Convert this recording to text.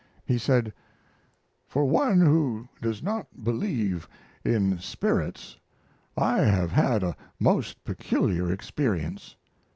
He said: "For one who does not believe in spirits I have had a most peculiar experience.